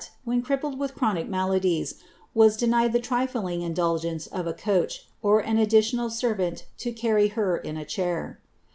when crippled with chronic maladies, was denied the liifting indul gence of a coach, or an additional servant to earrv her in a chair.